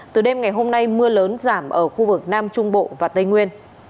từ đêm ngày hôm nay mưa lớn giảm ở khu vực nam trung bộ và tây nguyên